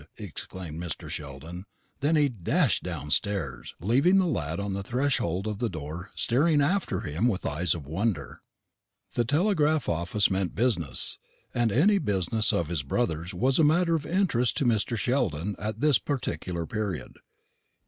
exclaimed Mr. Sheldon; and then he dashed downstairs, leaving the lad on the threshold of the door staring after him with eyes of wonder. The telegraph office meant business; and any business of his brother's was a matter of interest to Mr. Sheldon at this particular period.